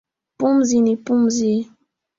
Pumzi ni pumzi